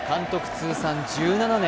通算１７年。